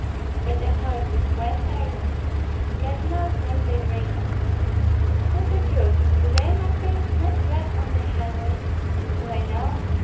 "But the horses, whence are they?" "God knows whence they bring them." "Tell the truth; do thy masters not rob on the highway?" "Do I know?